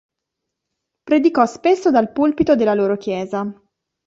Predicò spesso dal pulpito della loro chiesa.